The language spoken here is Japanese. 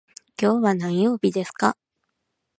今日は何曜日ですか。